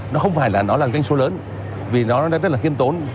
nó không phải là nó là cái số lớn vì nó rất là kiêm tốn